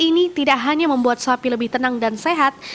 ini tidak hanya membuat sapi lebih tenang dan sehat